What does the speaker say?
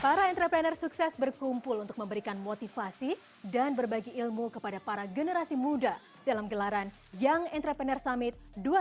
para entrepreneur sukses berkumpul untuk memberikan motivasi dan berbagi ilmu kepada para generasi muda dalam gelaran young entrepreneur summit dua ribu dua puluh